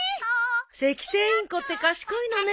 セキセイインコって賢いのねえ。